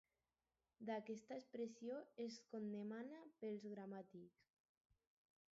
Aquesta expressió és condemnada pels gramàtics.